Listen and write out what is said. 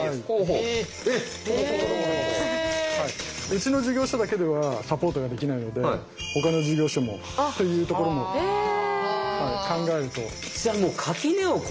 うちの事業所だけではサポートができないのでほかの事業所もっていうところも考えると。